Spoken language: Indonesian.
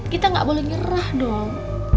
kita gak boleh nyerah dong